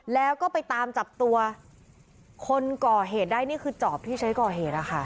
แล้วก็ไปตามจับตัวคนก่อเหตุได้นี่คือจอบที่ใช้ก่อเหตุนะคะ